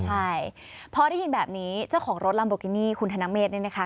ใช่พอได้ยินแบบนี้เจ้าของรถลัมโบกินี่คุณธนเมฆเนี่ยนะคะ